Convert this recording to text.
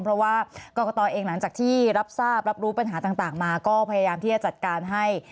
เพราะว่ากรกตเองหลังจากที่รับทราบรับรู้ปัญหาต่างมาก็พยายามที่จะจัดการให้